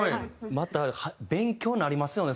また勉強になりますよね